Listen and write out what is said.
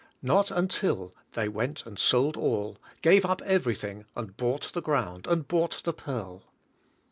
Not until they went and sold all, gave up everything, and bought the ground, and bought the pearl.